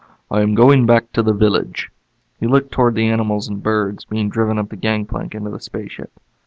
"I am going back to the village." He looked toward the animals and birds being driven up the gangplank into the spaceship.